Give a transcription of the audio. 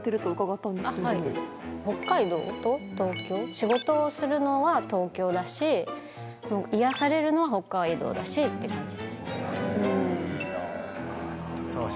仕事をするのは東京だし癒やされるのは北海道だしって感じですね。